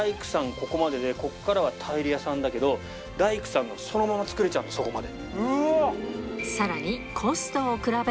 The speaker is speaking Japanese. ここまででこっからはタイル屋さんだけど大工さんがそのまま作れちゃうそこまで。